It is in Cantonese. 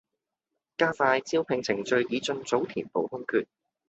加快招聘程序以盡早填補空缺